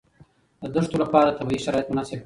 د دښتو لپاره طبیعي شرایط مناسب دي.